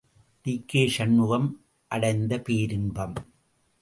டி.கே.சண்முகம் அடைந்த பேரின்பம்.